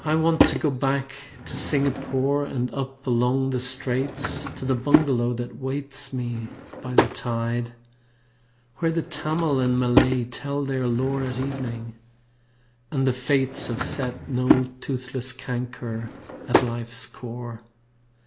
I want to go back to Singapore And up along the Straits To the bungalow that waits me by the tide. Where the Tamil and Malay tell their lore At evening and the fates Have set no soothless canker at life's core.